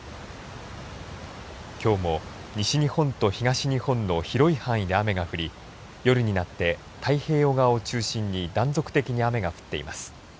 きょうも西日本と東日本の広い範囲で雨が降り夜になって太平洋側を中心に断続的に雨が降っています。